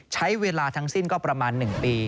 ใช้เวลาทั้งสิ้นก็ประมาณ๑ปี